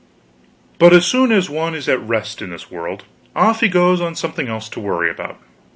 But as soon as one is at rest, in this world, off he goes on something else to worry about.